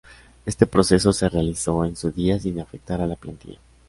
Este proceso se realizó en su día sin afectar a la plantilla